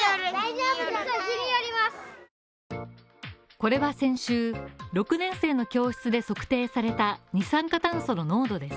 これは先週、６年生の教室で測定された二酸化炭素の濃度です。